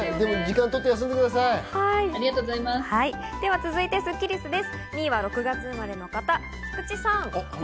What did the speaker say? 続いてスッキりすです。